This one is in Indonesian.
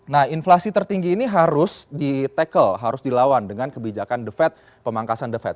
nah inflasi tertinggi ini harus di tackle harus dilawan dengan kebijakan the fed